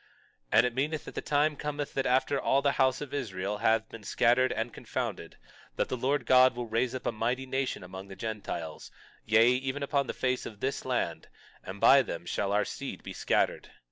22:7 And it meaneth that the time cometh that after all the house of Israel have been scattered and confounded, that the Lord God will raise up a mighty nation among the Gentiles, yea, even upon the face of this land; and by them shall our seed be scattered.